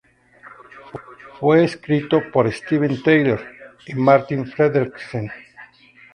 Fue escrito por Steven Tyler y Marti Frederiksen.